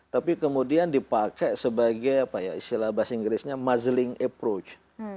tapi kemudian dipakai sebagai muscling approach